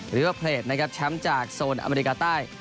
หรือว่าเพลดแชมป์จากโซนอเมริกาใต้